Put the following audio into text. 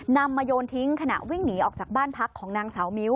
นำมาโยนทิ้งขณะวิ่งหนีออกจากบ้านพักของนางสาวมิ้ว